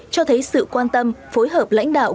cho thấy sự quan tâm phối hợp lãnh đạo